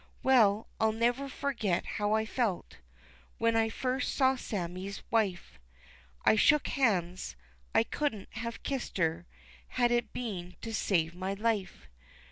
Well, I'll never forget how I felt When I first saw Sammie's wife, I shook hands I couldn't have kissed her Had it been to save my life.